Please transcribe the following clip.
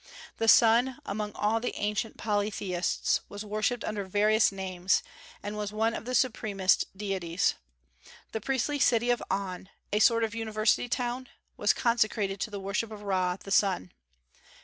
The sun, among all the ancient polytheists, was worshipped under various names, and was one of the supremest deities. The priestly city of On, a sort of university town, was consecrated to the worship of Ra, the sun.